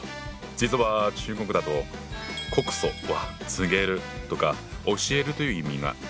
実は中国語だと「告訴」は「告げる」とか「教える」という意味が一般的。